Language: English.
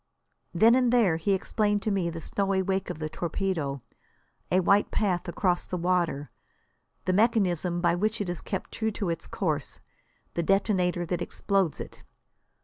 Then and there he explained to me the snowy wake of the torpedo, a white path across the water; the mechanism by which it is kept true to its course; the detonator that explodes it.